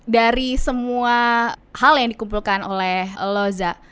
dari semua hal yang dikumpulkan oleh loza